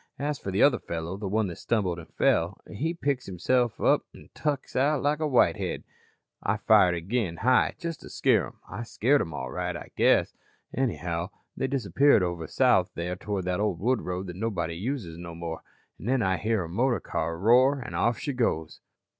As for the other fellow, the one that stumbled an' fell, he picks himself up an' tuk out like a whitehead. "I fired agin, high, just to scare 'em. I scared 'em all right, I guess. Anyhow, they disappeared over south there toward that old wood road that nobody uses no more. An' then I hear a motor car roar an' off she goes."